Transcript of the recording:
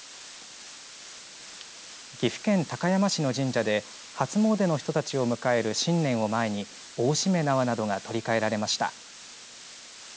岐阜県高山市の神社で初詣の人たちを迎える新年を前に大しめ縄などが取り替えられました。